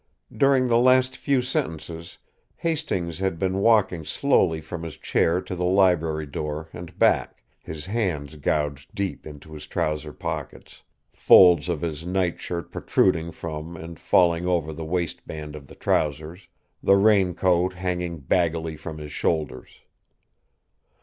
During the last few sentences Hastings had been walking slowly from his chair to the library door and back, his hands gouged deep into his trouser pockets, folds of his night shirt protruding from and falling over the waistband of the trousers, the raincoat hanging baggily from his shoulders.